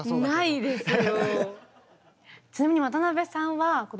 ないですよ。